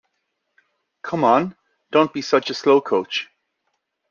Come on! Don't be such a slowcoach!